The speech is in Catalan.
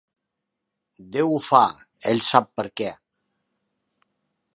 Déu ho fa, ell sap per què.